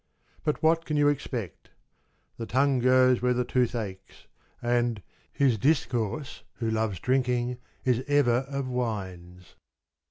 But what can you expect ?* The tongue goes where the tooth aches ;* and * His discourse who loves drinking is ever of wines.